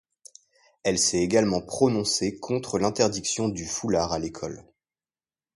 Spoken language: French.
Elle s'est également prononcée contre l'interdiction du foulard à l'école.